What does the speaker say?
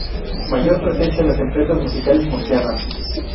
Mayor presencia en las empresas musicales murcianas.